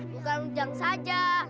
bukan ujang saja